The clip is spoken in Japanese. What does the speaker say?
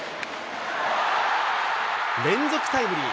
連続タイムリー。